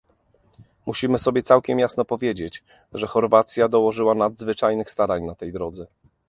Musimy sobie całkiem jasno powiedzieć, że Chorwacja dołożyła nadzwyczajnych starań na tej drodze